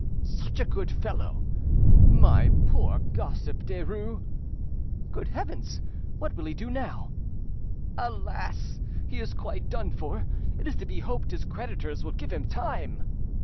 "Such a good fellow!" "My poor gossip Derues!" "Good heavens! what will he do now?" "Alas! he is quite done for; it is to be hoped his creditors will give him time!"